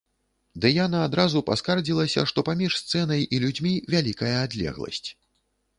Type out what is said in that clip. Дыяна адразу паскардзілася, што паміж сцэнай і людзьмі вялікая адлегласць.